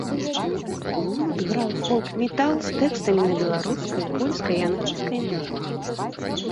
Гурт граў фолк-метал з тэкстамі на беларускай, польскай і англійскай мовах.